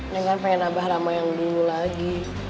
neng kan pengen abah ramah yang dulu lagi